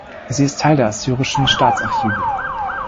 Sie ist Teil der assyrischen Staatsarchive.